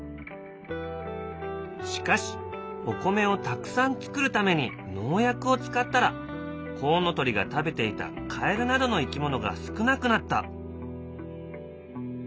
しかしお米をたくさん作るために農薬を使ったらコウノトリが食べていたカエルなどの生き物が少なくなった。